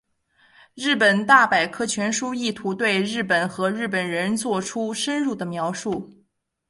日本大百科全书意图对日本和日本人作出深入的描述。